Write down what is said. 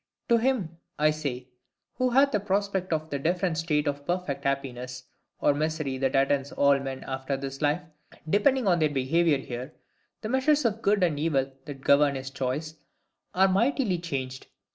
To him, I say, who hath a prospect of the different state of perfect happiness or misery that attends all men after this life, depending on their behaviour here, the measures of good and evil that govern his choice are mightily changed.